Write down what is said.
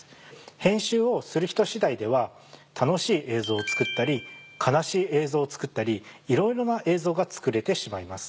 編集をする人次第では楽しい映像を作ったり悲しい映像を作ったりいろいろな映像が作れてしまいます。